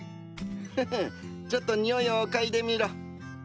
フフッちょっとにおいを嗅いでみろ。